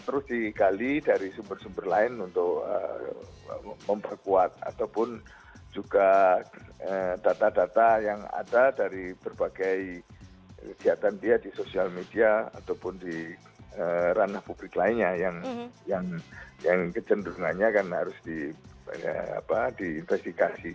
terus digali dari sumber sumber lain untuk memperkuat ataupun juga data data yang ada dari berbagai kegiatan dia di sosial media ataupun di ranah publik lainnya yang kecenderungannya kan harus diinvestikasi